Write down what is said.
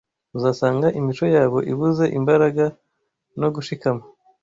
uzasanga imico yabo ibuze imbaraga no gushikama